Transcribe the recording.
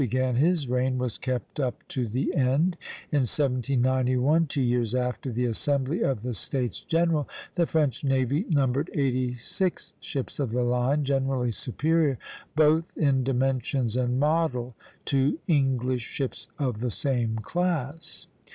began his reign was kept up to the end; in 1791, two years after the assembly of the States General, the French navy numbered eighty six ships of the line, generally superior, both in dimensions and model, to English ships of the same class.